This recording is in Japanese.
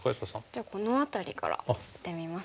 じゃあこの辺りからいってみますか。